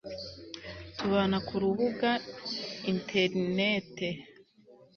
tubana kurubuga interinete